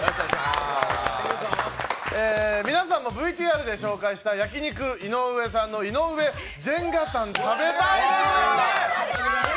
皆さんもＶＴＲで紹介した焼肉いのうえさんのいのうえジェンガタン食べたいですよね？